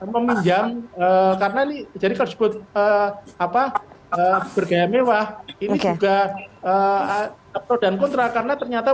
meminjam karena ini jadi kalau disebut apa bergaya mewah ini juga pro dan kontra karena ternyata